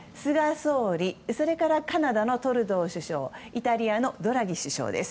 総理それからカナダのトルドー首相イタリアのドラギ首相です。